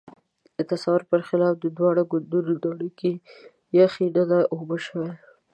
د تصور پر خلاف د دواړو ګوندونو د اړیکو یخۍ نه ده اوبه شوې.